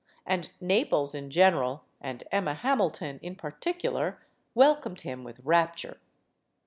And Naples in general and Emma Hamilton in particular welcomed him with rap ture.